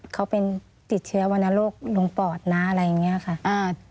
เขาเป็นติดเชื้อวรรณโรคลงปอดนะอะไรอย่างนี้ค่ะ